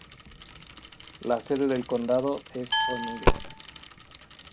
La sede del condado es O’Neill.